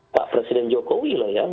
pak presiden jokowi loh ya